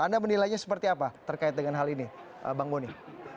anda menilainya seperti apa terkait dengan hal ini bang boni